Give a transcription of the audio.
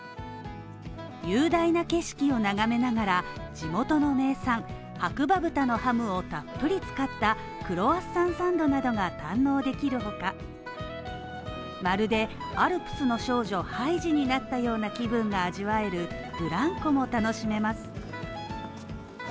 地元の名産、白馬豚のハムをたっぷり使ったクロワッサンサンドなどが堪能できるほかまるでアルプスの少女ハイジになったような気分が味わえるブランコも楽しめます。